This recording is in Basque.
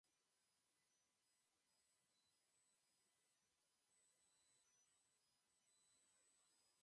Argiteria berria jarriko dute Aulestin.